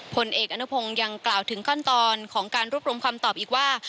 ผลเอกอนุพงศ์ยังกล่าวถึงขั้นตอนของการรวบรวมคำตอบอีกว่า